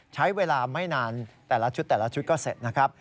ใช้เวลาไม่นานแต่ละชุดแต่ละชุดก็เสร็จนะครับ